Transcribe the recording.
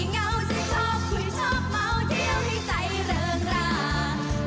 ฉันไม่ใช่ผู้หญิงเจ้าชูไม่ใช่ผู้หญิงรัก